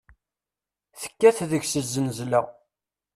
Tekkat deg-s zznezla.